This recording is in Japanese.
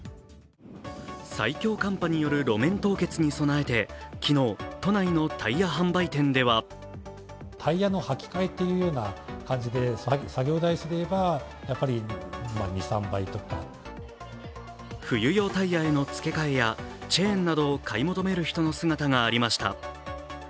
最強寒波による路面凍結に備えて、昨日、都内のタイヤ販売店では冬用タイヤへの付け替えやチェーンなどを買い求める人の姿がありました。